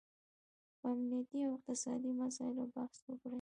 په امنیتي او اقتصادي مساییلو بحث وکړي